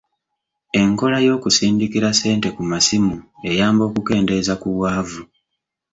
Enkola y'okusindikira ssente ku masimu eyamba okukendeeza ku bwavu.